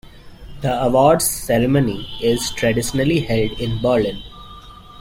The awards ceremony is traditionally held in Berlin.